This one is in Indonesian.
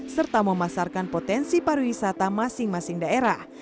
serta memasarkan potensi pariwisata masing masing daerah